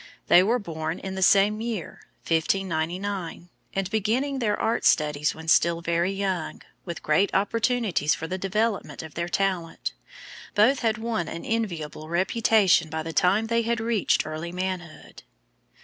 They were born in the same year, 1599; and beginning their art studies when still very young, with great opportunities for the development of their talent, both had won an enviable reputation by the time they had reached early manhood.